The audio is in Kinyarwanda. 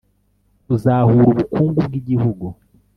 Kuzahura ubukungu bw igihugu